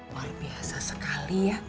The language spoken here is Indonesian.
luar biasa sekali ya